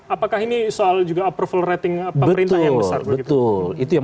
apakah ini soal juga approval rating pemerintah yang besar begitu